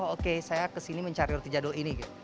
oke saya kesini mencari roti jadul ini